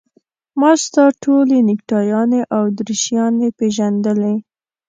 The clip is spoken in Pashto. ما ستا ټولې نکټایانې او دریشیانې پېژندلې.